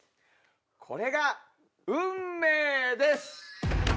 これが運命です。